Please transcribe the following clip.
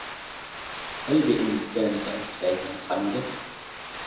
هل بإمكانك أن تساعدني قليلا ؟